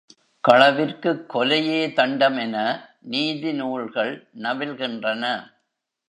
களவிற்குக் கொலையே தண்டம் என நீதி நூல்கள் நவில்கின்றன.